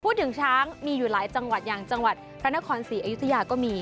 ช้างมีอยู่หลายจังหวัดอย่างจังหวัดพระนครศรีอยุธยาก็มี